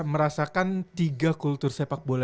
merasakan tiga kultur sepak bola